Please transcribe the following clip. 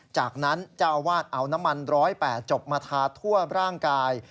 จากนั้นเจ้าอาวาสเอาน้ำมัน๑๐๘จบมาทาทั่วร่างกาย